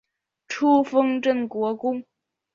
初封镇国公。